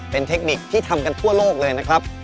เป็นเทคนิคที่ทำกันทั่วโลกเลยนะครับ